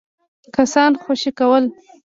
کسان خوشي کول.